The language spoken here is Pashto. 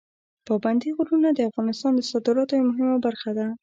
پابندي غرونه د افغانستان د صادراتو یوه مهمه برخه ده.